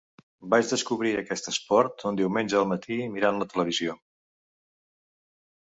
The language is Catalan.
Vaig descobrir aquest esport un diumenge al matí, mirant la televisió.